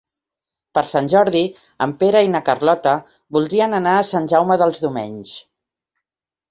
Per Sant Jordi en Pere i na Carlota voldrien anar a Sant Jaume dels Domenys.